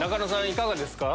いかがですか？